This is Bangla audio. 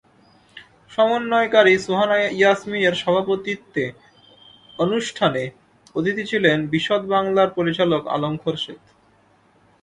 সমন্বয়কারী সোহানা ইয়াসমিনের সভাপতিত্বে আনুষ্ঠানে অতিথি ছিলেন বিশদ বাঙলার পরিচালক আলম খোরশেদ।